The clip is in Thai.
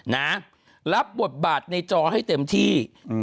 นะรับบทบาทในจอให้เต็มที่อืม